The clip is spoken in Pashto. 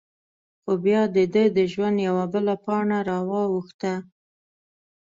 خو؛ بیا د دهٔ د ژوند یوه بله پاڼه را واوښته…